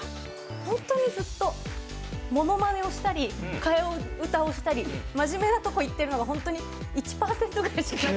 本当にずっとものまねをしたり、替え歌をしたり、真面目なこと言ってるのは、１％ぐらいしかない。